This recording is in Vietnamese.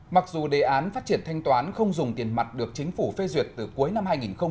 mặc dù đề án phát triển thanh toán không dùng tiền mặt được chính phủ phê duyệt từ cuối năm hai nghìn một mươi chín